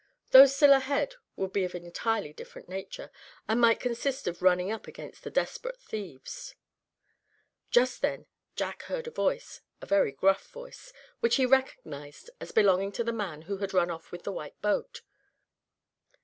Those still ahead would be of an entirely different nature, and might consist of running up against the desperate thieves. Just then Jack heard a voice, a very gruff voice, which he recognized as belonging to the man who had run off with the white boat.